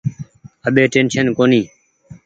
اٻي ٽيشن ڪونيٚ۔